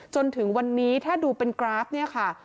จนถึงวันนี้ถ้าดูเป็นกราฟเนี่ยค่ะ